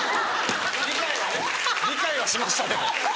理解はね理解はしましたけど。